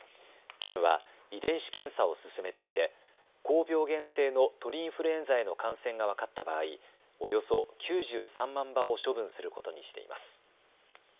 県は遺伝子検査を進めていて高病原性の鳥インフルエンザへの感染が分かった場合、およそ９３万羽を処分することにしています。